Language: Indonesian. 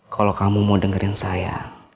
kalau kamu mau dengerin saya